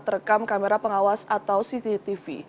terekam kamera pengawas atau cctv